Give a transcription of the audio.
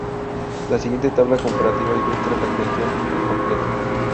La siguiente tabla comparativa ilustra la cuestión al completo.